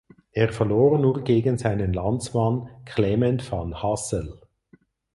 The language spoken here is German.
Er verlor nur gegen seinen Landsmann Clement van Hassel.